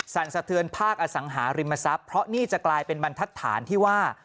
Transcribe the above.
สะเทือนภาคอสังหาริมทรัพย์เพราะนี่จะกลายเป็นบรรทัศนที่ว่า